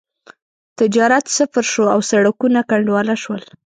تجارت صفر شو او سړکونه کنډواله شول.